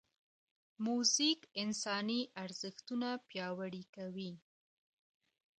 موزیک انساني ارزښتونه پیاوړي کوي.